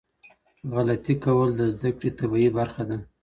غلطي کول د زده کړي طبیعي برخه ده.